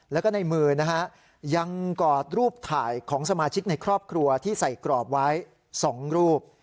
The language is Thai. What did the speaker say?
แล้วก็ในมือนะฮะยังกอดรูปถ่ายของสมาชิกในครอบครัวที่ใส่กรอบไว้๒รูป